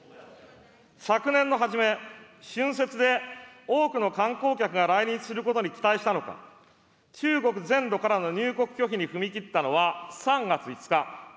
昨年の初め、春節で多くの観光客が来日することに期待したのか、中国全土からの入国拒否に踏み切ったのは３月５日。